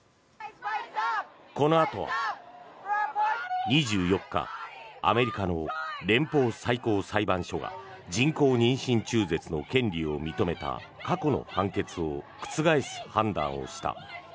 このあとは、２４日アメリカの連邦最高裁判所が人工妊娠中絶の権利を認めた過去の判決を覆す判断をした。